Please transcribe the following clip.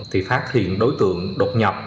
thì phát hiện đối tượng đột nhập